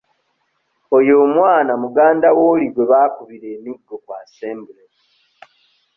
Oyo omwana muganda w'oli gwe baakubira emiggo ku assembly.